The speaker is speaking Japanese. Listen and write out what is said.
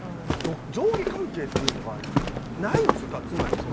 上下関係っていうのがないんですよ。